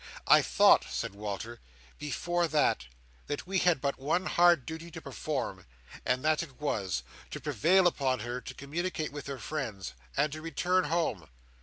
"I thought," said Walter, "before that, that we had but one hard duty to perform, and that it was, to prevail upon her to communicate with her friends, and to return home."